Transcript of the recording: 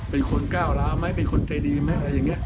เป็นคนก้าวร้าวไหมเป็นคนใจดีไหมอะไรอย่างนี้